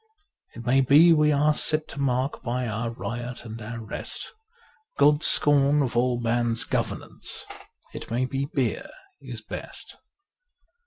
It may be we are set to mark by our riot and our rest God's scorn of all man's governance : it may be beer is best.